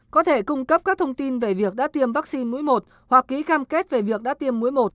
có thể cung cấp các thông tin về việc đã tiêm vaccine mũi một hoặc ký cam kết về việc đã tiêm mũi một